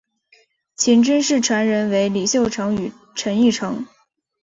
秦军事传人为李秀成与陈玉成。